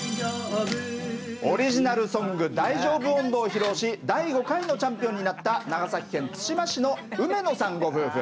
オリジナルソング「大丈夫音頭」を披露し第５回のチャンピオンになった長崎県対馬市の梅野さんご夫婦。